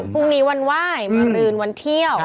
พรุ่งนี้วันไหว้มารืนวันเที่ยว